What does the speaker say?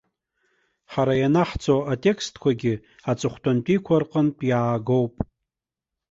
Ҳара ианаҳҵо атекстгьы аҵыхәтәантәиқәа рҟынтә иаагоуп.